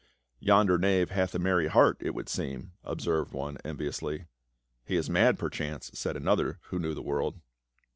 " Yonder knave hath a merr\ heart, it would seem," observed one enviously. "He is mad, perchance," said another, who knew the world.